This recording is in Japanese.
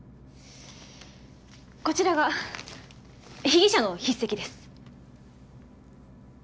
こちらが被疑者の筆跡です。